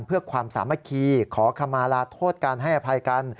เพื่อความสามัคคีขอขมาลาโทษการให้อภัยกัน